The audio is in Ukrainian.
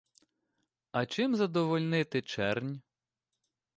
А чим задовольнити чернь?